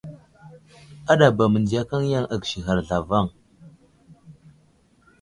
Aɗaba mənziyakaŋ yaŋ agisighar zlavaŋ.